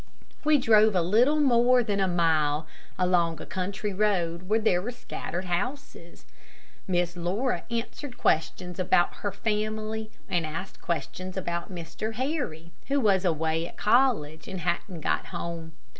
We drove a little more than a mile along a country road where there were scattered houses. Miss Laura answered questions about her family, and asked questions about Mr. Harry, who was away at college and hadn't got home.